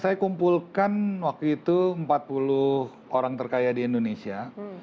saya kumpulkan waktu itu empat puluh orang terkaya di indonesia